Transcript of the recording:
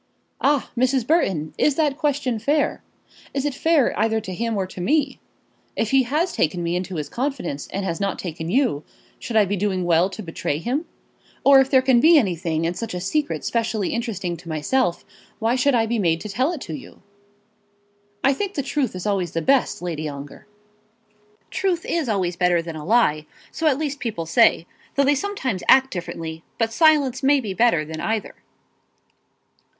"Ah, Mrs. Burton, is that question fair? Is it fair either to him, or to me? If he has taken me into his confidence and has not taken you, should I be doing well to betray him? Or if there can be anything in such a secret specially interesting to myself, why should I be made to tell it to you?" "I think the truth is always the best, Lady Ongar." "Truth is always better than a lie; so at least people say, though they sometimes act differently; but silence may be better than either."